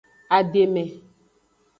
Ademe.